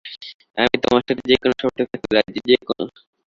আমি তোমার সাথে যে কোনো শর্তে থাকতে রাজী, যে কোনো।